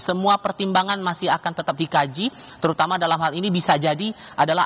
semua pertimbangan masih akan tetap dikaji terutama dalam hal ini bisa jadi adalah